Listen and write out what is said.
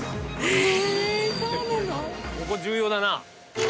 ここ重要だな。